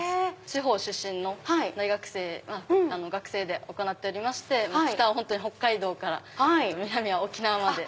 地方出身の学生で行っておりまして北は北海道から南は沖縄まで。